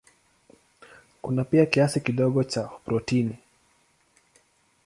Kuna pia kiasi kidogo cha protini.